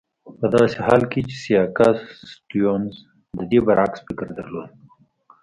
په داسې حال کې چې سیاکا سټیونز د دې برعکس فکر درلود.